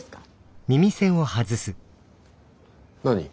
何？